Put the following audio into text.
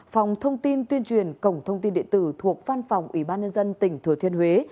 phòng thông tin tuyên truyền cổng thông tin địa tử thuộc phan phòng ủy ban nhân dân tỉnh thủy thiên huế